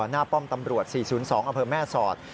ป้อมตำรวจ๔๐๒อำเภอแม่สอด